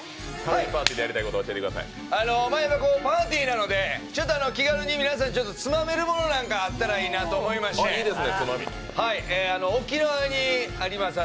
パーティーなので、気軽に皆さん、つまめるものなんかあったりいいなと思いまして沖縄にあります